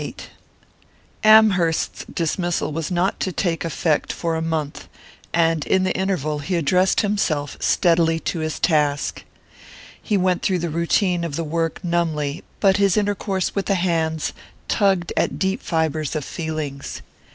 VIII AMHERST'S dismissal was not to take effect for a month; and in the interval he addressed himself steadily to his task. He went through the routine of the work numbly; but his intercourse with the hands tugged at deep fibres of feelings.